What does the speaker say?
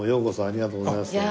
ありがとうございます。